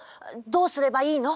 どうすればいいの？